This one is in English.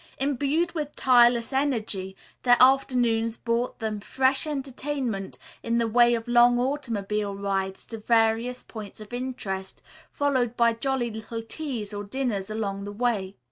Imbued with tireless energy, their afternoons brought them fresh entertainment in the way of long automobile rides to various points of interest, followed by jolly little teas or dinners along the way.